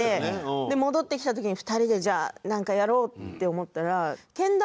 で戻ってきた時に２人でじゃあなんかやろうって思ったら。